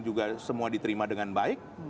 juga semua diterima dengan baik